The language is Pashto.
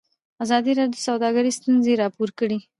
ازادي راډیو د سوداګري ستونزې راپور کړي.